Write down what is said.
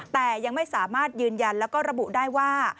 แต่ยังไม่สามารถยืนยันแล้วก็ระบุได้ว่า